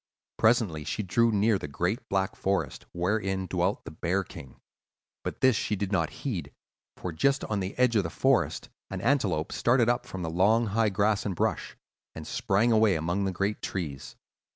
Presently she drew near the great black forest, wherein dwelt the Bear King. But this she did not heed, for just on the edge of the forest an antelope started up from the long, high grass and brush, and sprang away among the great trees.